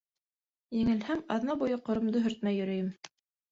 — Еңелһәм, аҙна буйы ҡоромдо һөртмәй йөрөйөм.